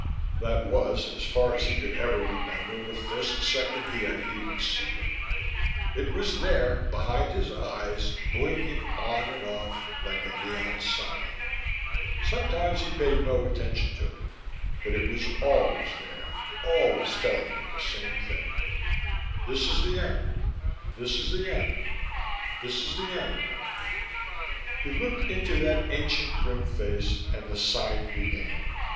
That was, as far as he could ever remember, the first second he had even seen it. It was there, behind his eyes, blinking on and off, like a neon sign. Sometimes he paid no attention to it, but it was always there, always telling him the same thing. This is the end. This is the end. This is the end. He looked into that ancient grim face and the sign began.